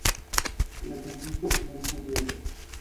Tiene tres hijos y ocho nietos.